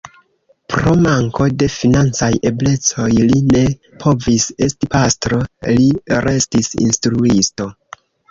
Pro manko de financaj eblecoj li ne povis esti pastro, li restis instruisto.